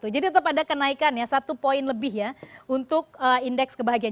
jadi tetap ada kenaikan ya satu poin lebih ya untuk indeks kebahagiaan